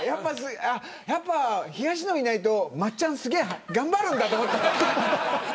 やっぱ、東野いないと松ちゃんすげえ頑張るんだと思った。